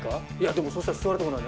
でもそしたら座るとこない。